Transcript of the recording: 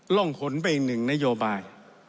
ร่องขนไปอีกหนึ่งนโยบาย